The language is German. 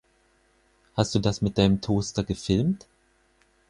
Hast du das mit deinem Toaster gefilmt?